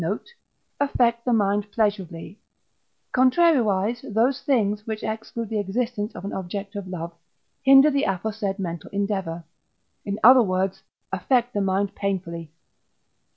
note), affect the mind pleasurably; contrariwise those things, which exclude the existence of an object of love, hinder the aforesaid mental endeavour; in other words, affect the mind painfully.